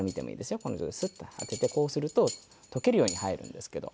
この状態でスッと当ててこうすると溶けるように入るんですけど。